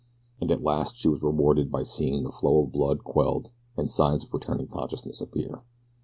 And at last she was rewarded by seeing the flow of blood quelled and signs of returning consciousness appear.